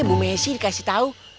bu messi dikasih tau